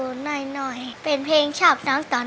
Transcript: คุณยายแดงคะทำไมต้องซื้อลำโพงและเครื่องเสียง